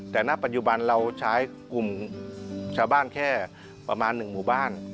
แต่ณปัจจุบันเราใช้กลุ่มชาวบ้านแค่ประมาณ๑หมู่บ้าน